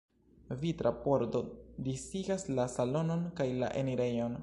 Vitra pordo disigas la salonon kaj la enirejon.